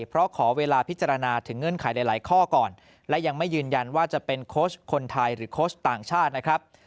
เพราะขอเวลาพิจารณาถึงเงื่อนไขหลายข้อก่อนและยังไม่ยืนยันว่าจะเป็นโค้ชคนไทยหรือโค้ชต่างชาตินะครับ